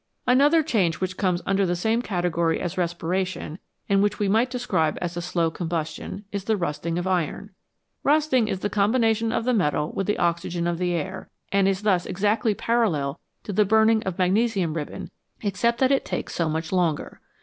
O A Another change which comes under the same category as respiration, and which we might describe as a slow combustion, is the rusting of iron. Rusting is the com bination of the metal with the oxygen of the air, and is thus exactly parallel to the burning of magnesium ribbon, except that it takes so much longer.